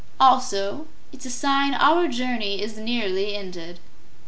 "Also it's a sign our journey is nearly ended."